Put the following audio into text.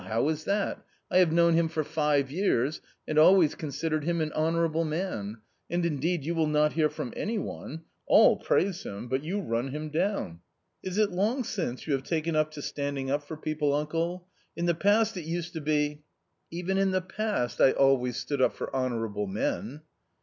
How is that ? I have known him for five years, and always considered him an honourable man, and indeed you will not hear from any one All praise him, but you run him down." " Is it long since you have taken to standing up for people, uncle ? In the past it used to be " "Even in the past I always stood up for honourable men."